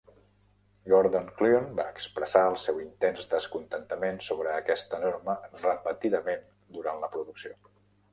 Gordon Clune va expressar el seu intens descontentament sobre aquesta norma repetidament durant la producció.